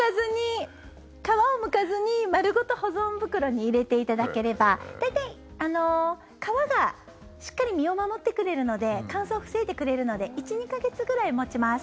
皮をむかずに丸ごと保存袋に入れていただければ大体皮がしっかり実を守ってくれるので乾燥を防いでくれるので１２か月ぐらい持ちます。